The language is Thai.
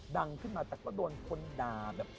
ดังขึ้นมาแต่ก็โดนคนด่าแบบ